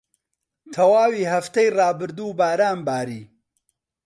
تەواوی هەفتەی ڕابردوو باران باری.